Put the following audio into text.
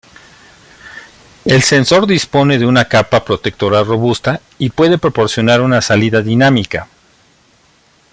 El sensor dispone de una capa protectora robusta y puede proporcionar una salida dinámica.